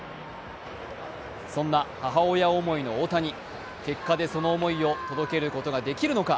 そんな母親思いの大谷、結果でその思いを届けることができるのか。